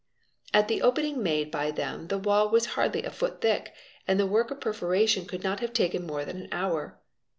At the opening made by them the wall was aardly a foot thick and the work of perforation could not have taken more han an hour.